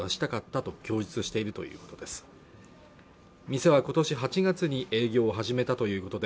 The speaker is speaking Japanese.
店はことし８月に営業を始めたということで